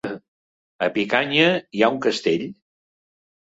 A Picanya hi ha un castell?